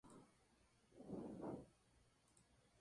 En su carta intenta plasmar la cocina de tradición con matices.